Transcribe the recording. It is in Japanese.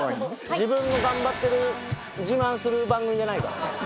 自分の頑張ってる自慢する番組じゃないからね。